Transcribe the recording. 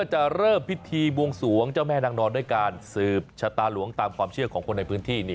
จะเริ่มพิธีบวงสวงเจ้าแม่นางนอนด้วยการสืบชะตาหลวงตามความเชื่อของคนในพื้นที่